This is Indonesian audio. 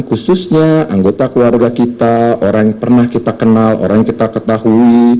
khususnya anggota keluarga kita orang yang pernah kita kenal orang yang kita ketahui